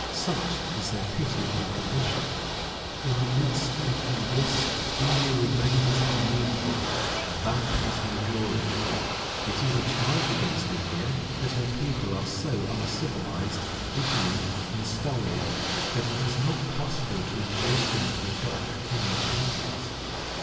Such is their pitiable condition. In the midst of all this, India remains immovable, and that is her glory. It is a charge against India that her people are so uncivilised, ignorant and stolid, that it is not possible to induce them to adopt any changes.